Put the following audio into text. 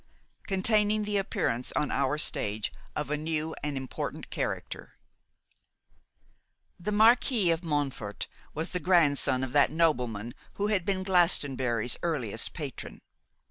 Containing the Appearance on Our Stage of a New and Important Character. THE Marquis of Montfort was the grandson of that nobleman who had been Glastonbury's earliest patron.